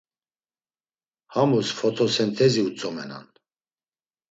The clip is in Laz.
Hamus fotosentezi utzomenan.